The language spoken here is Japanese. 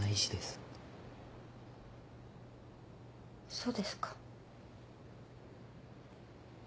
そうですか。